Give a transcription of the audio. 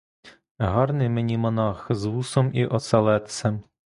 Гарний мені монах з вусом і оселедцем!